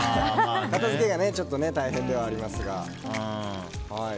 片付けがちょっと大変ではありますが。